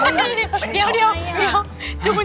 เดี๋ยว